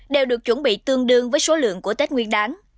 đều được chuẩn bị tương đương với số lượng của tết nguyên đáng